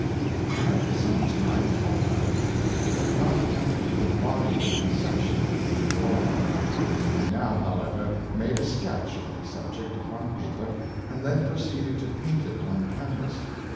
I had for some time thought about it, but had not attempted to embody the conception in a drawing. I now, however, made a sketch of the sub ject upon paper, and then proceeded to paint it on can vas.